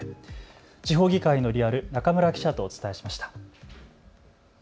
地方議会のリアル、中村記者とお伝えしました。